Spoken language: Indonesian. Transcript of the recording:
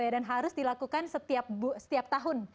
dan harus dilakukan setiap tahun